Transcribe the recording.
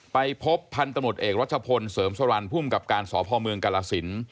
ไปพบพันธนุษย์เอกรัชพลเสริมสรรพุ่มกับการสอบภอมเมืองกลสิน